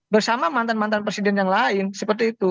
bersama mantan mantan presiden yang lain seperti itu